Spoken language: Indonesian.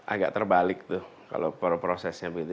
agak terbalik tuh kalau prosesnya begitu